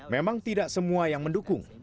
memang tidak semua yang mendukung